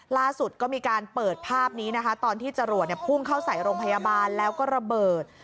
ล่าสุดก็มีการเปิดภาพนี้นะคะตอนที่จรวดพุ่งเข้าใส่โรงพยาบาลแล้วก็ระเบิด